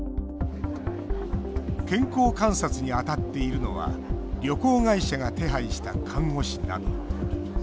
健康観察に当たっているのは旅行会社が手配した看護師など。